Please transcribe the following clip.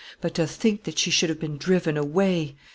But to think that she should have been driven away!